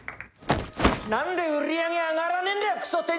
何で売り上げ上がらねえんだよクソ店長！